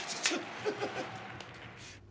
ハハハッ。